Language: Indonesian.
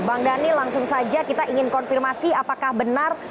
bang daniel langsung saja kita ingin konfirmasi apakah benar